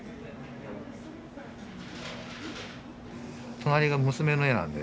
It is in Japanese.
隣が娘の絵なんで。